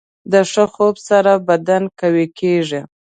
د ښه خوب سره بدن قوي کېږي.